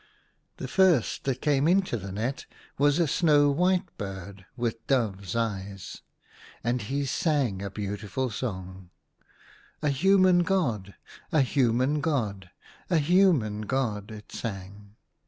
The first that came into the net was a snow white bird, with dove's eyes, and he sang a beautiful song —" A human God ! a human God ! a human God I " it sang.